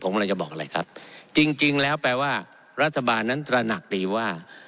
ผมกำลังจะบอกอะไรครับจริงจริงแล้วแปลว่ารัฐบาลนั้นตระหนักดีว่า